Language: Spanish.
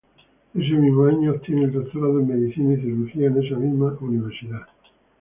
Ese mismo año obtiene el doctorado en Medicina y Cirugía en esta misma universidad.